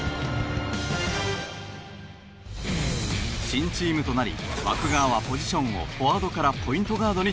新チームとなり湧川はポジションをフォワードからポイントガードに転向。